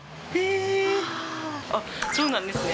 あっそうなんですね。